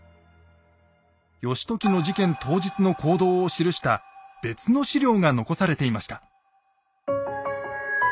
義時の事件当日の行動を記した別の史料が残されていました。